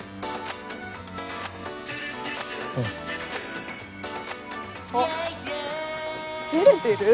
うん。あっ照れてる？